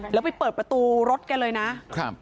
แล้วไปเปิดประตูรถแกเลยนะครับ